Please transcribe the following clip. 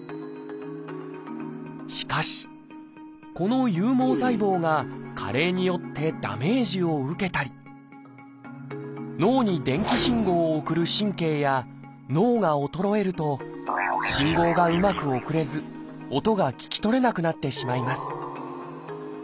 しかしこの有毛細胞が加齢によってダメージを受けたり脳に電気信号を送る神経や脳が衰えると信号がうまく送れず音が聞き取れなくなってしまいます